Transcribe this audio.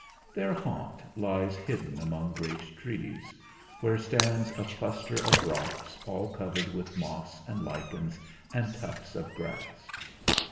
Their haunt lies hidden among great trees, where stands a cluster of rocks, all covered with moss and lichens and tufts of grass.